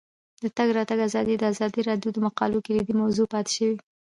د تګ راتګ ازادي د ازادي راډیو د مقالو کلیدي موضوع پاتې شوی.